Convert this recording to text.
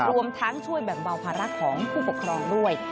รวมทั้งช่วยแบ่งเบาภาระของผู้ปกครองด้วย